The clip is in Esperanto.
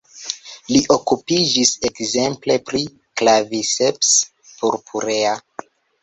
Li okupiĝis ekzemple pri "Claviceps purpurea".